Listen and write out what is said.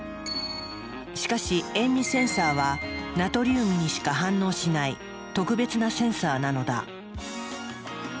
しかし塩味センサーはナトリウムにしか反応しない特別なセンサーなのだ。